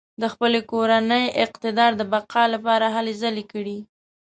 د خپل کورني اقتدار د بقا لپاره هلې ځلې کړې.